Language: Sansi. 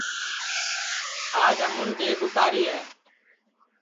آج ہمون ڈؔیگ اُتاری ہے